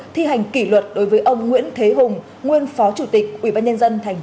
thi hành kỷ luật đối với ông nguyễn thế hùng nguyên phó chủ tịch ủy ban nhân dân tp hà nội